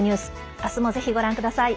明日も、ぜひご覧ください。